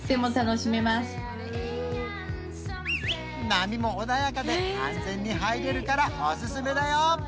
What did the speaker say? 波も穏やかで安全に入れるからおすすめだよ！